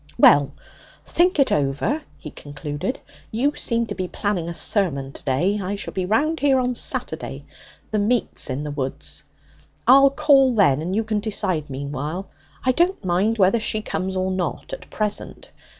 'Well, think it over,' he concluded. 'You seem to be planning a sermon to day. I shall be round here on Saturday the meet's in the woods. I'll call then, and you can decide meanwhile. I don't mind whether she comes or not at present.